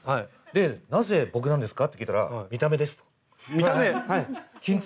で「なぜ僕なんですか？」って聞いたら見た目？